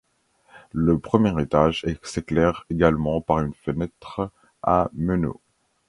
Le premier étage s'éclaire également par une fenêtre à meneaux.